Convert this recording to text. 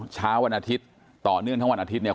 เช้าวันอาทิตย์ต่อเนื่องทั้งวันอาทิตย์เนี่ย